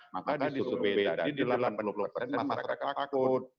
maka disuruh beda jadi di dalam penuh penuh pertengah masyarakat takut